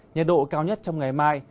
nhiệt độ cao nhất trong ngày mai